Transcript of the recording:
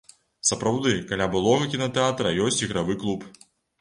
Сапраўды, каля былога кінатэатра ёсць ігравы клуб.